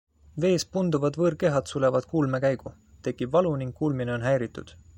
Vees punduvad võõrkehad sulevad kuulmekäigu, tekib valu ning kuulmine on häiritud.